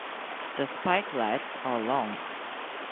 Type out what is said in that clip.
The spikelets are long.